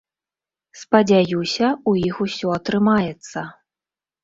Спадзяюся, у іх усё атрымаецца.